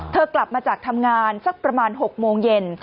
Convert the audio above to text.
กลับมาจากทำงานสักประมาณ๖โมงเย็น